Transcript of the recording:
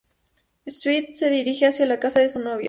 Swift se dirige hacia la casa de su novio.